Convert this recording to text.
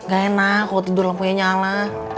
gak enak kalau tidur lampunya nyala